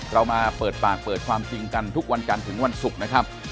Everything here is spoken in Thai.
เรามาเปิดปากเปิดความจริงกันทุกวันจันทร์ถึงวันศุกร์นะครับ